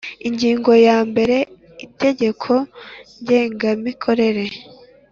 Ingingo ya mbere Itegeko Ngengamikorere